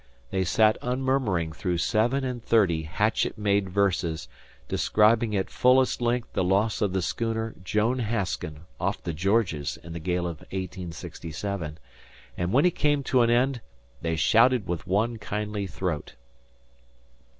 They sat unmurmuring through seven and thirty hatchet made verses describing at fullest length the loss of the schooner Joan Hasken off the Georges in the gale of 1867, and when he came to an end they shouted with one kindly throat.